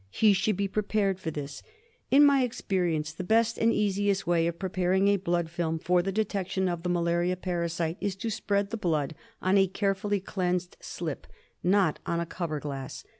He should be prepared for this. In my experience the best and easiest way of prepar ing a blood film for the detection of the malaria parasite is to spread the blood on a carefully cleansed slip — not on a cover glass.